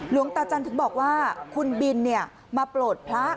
หลวงตาจันทร์ถึงบอกว่าคุณบินมาโปรดพระ